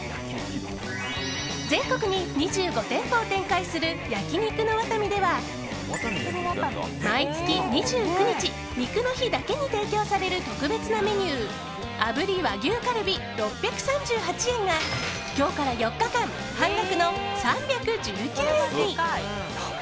全国に２５店舗を展開する焼肉の和民では毎月２９日肉の日だけに提供される特別なメニュー炙り和牛カルビ、６３８円が今日から４日間半額の３１９円に。